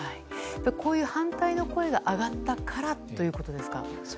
こういう反対の声が上がったからということですか？